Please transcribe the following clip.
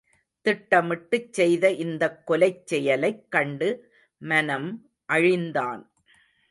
திட்டமிட்டுச் செய்த இந்தக் கொலைச் செயலைக் கண்டு மனம் அழிந்தான்.